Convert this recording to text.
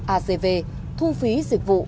acv thu phí dịch vụ